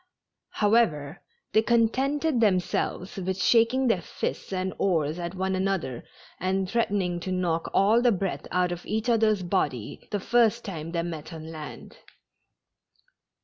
However, they contented themselves with shaking their fists and oars at one another, and threatening to knock all the breath out of each other's body the first time they met on land.